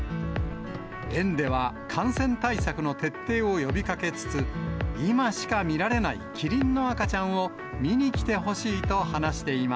園では感染対策の徹底を呼びかけつつ、今しか見られないキリンの赤ちゃんを見に来てほしいと話していま